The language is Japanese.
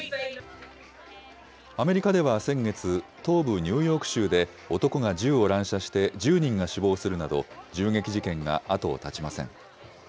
アメリカでは先月、東部ニューヨーク州で男が銃を乱射して、１０人が死亡するなど、銃撃事件が後を絶ちません。